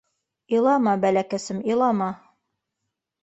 — Илама, бәләкәсем, илама.